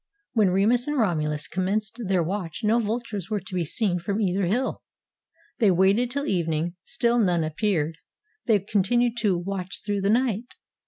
When Remus and Romulus commenced their watch no vultures were to be seen from either hill. They waited till evening, still none appeared. They continued to watch through the night.